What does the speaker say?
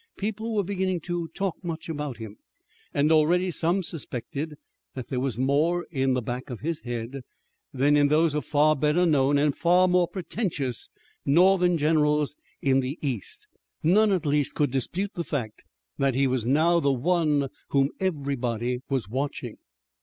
People were beginning to talk much about him, and already some suspected that there was more in the back of his head than in those of far better known and far more pretentious northern generals in the east. None at least could dispute the fact that he was now the one whom everybody was watching.